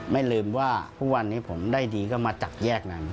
ไม่ลืมว่าทุกวันนี้ผมได้ดีก็มาจากแยกนั้น